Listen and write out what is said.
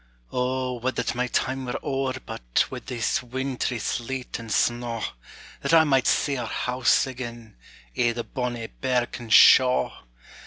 O, wad that my time were owre but, Wi' this wintry sleet and snaw, That I might see our house again, I' the bonnie birken shaw!